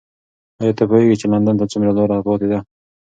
ایا ته پوهېږې چې لندن ته څومره لاره پاتې ده؟